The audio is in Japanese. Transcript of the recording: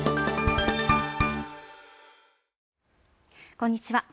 こんにちは。